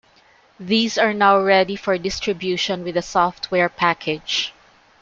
These are now ready for distribution with the software package.